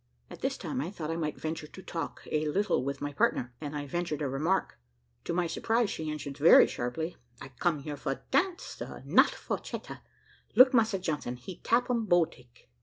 At this time I thought I might venture to talk a little with my partner, and I ventured a remark. To my surprise, she answered very sharply, "I come here for dance, sar, and not for chatter: look Massa Johnson, he tap um bow tick."